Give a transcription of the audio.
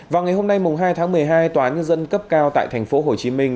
vào ngày hôm nay hai tháng một mươi hai tòa nhân dân cấp cao tại thành phố hồ chí minh